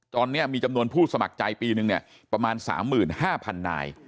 ตอนนี้มีจำนวนผู้สมัครใจปีนึงประมาณ๓๕๐๐๐นาย